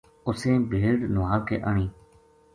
اُسیں بھیڈ نُہال کے آنی